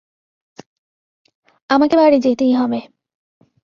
আমাকে বাড়ি যেতেই হবে।